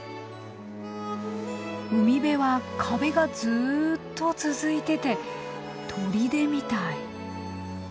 海辺は壁がずっと続いてて砦みたい。